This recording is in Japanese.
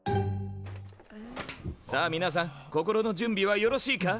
さあみなさん心の準備はよろしいか？